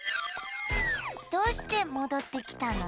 どうしてもどってきたの？